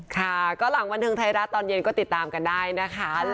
ค่ะก็หลังบันเทิงไทยรัฐตอนเย็นก็ติดตามกันได้นะคะ